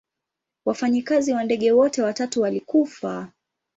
Wafanyikazi wa ndege wote watatu walikufa.